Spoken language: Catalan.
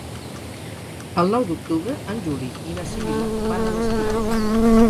El nou d'octubre en Juli i na Sibil·la van a l'Esquirol.